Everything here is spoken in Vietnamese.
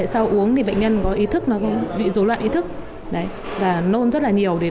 sau uống bệnh nhân bị rối loạn ý thức và nôn rất nhiều